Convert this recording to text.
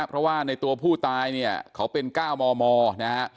เพราะว่าในตัวผู้ตายเนี่ยเขาเป็น๙มมนะฮะ